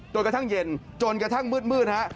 จนกระทั่งเย็นจนกระทั่งมืดฮะ